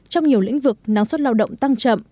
trong nhiều lĩnh vực năng suất lao động tăng chậm